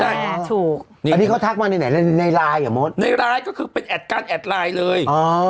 อันนี้เขาทักมาในไลน์หรอโมทในไลน์ก็คือเป็นแอดการแอดไลน์เลย